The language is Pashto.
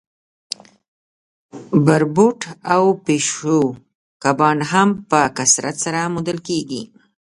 بربوټ او پیشو کبان هم په کثرت سره موندل کیږي